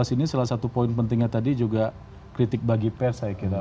dua ribu sembilan belas ini salah satu poin pentingnya tadi juga kritik bagi pers saya kira